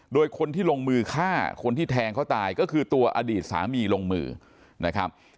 โดยคนที่ลงมือฆ่าคนที่แทงเขาตายก็คือตัวอดีตสามีลงมือนะครับ